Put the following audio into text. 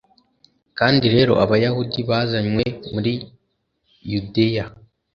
kandi rero abayahudi bazanywe muri yudeya